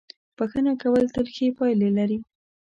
• بښنه کول تل ښې پایلې لري.